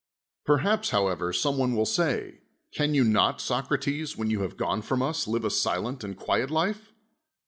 Perhaps, however, some one will say, Can you not, Socrates, when you have gone from us, live a silent and quiet life?